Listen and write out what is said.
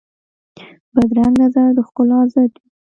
بدرنګه نظر د ښکلا ضد وي